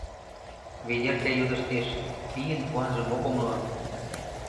— Ведерка йодыштеш, пийын куанжым ок умыло.